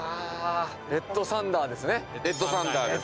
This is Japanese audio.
レッドサンダーですね。